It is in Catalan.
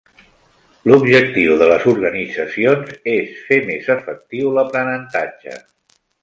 L'objectiu de les organitzacions és fer més efectiu l'aprenentatge.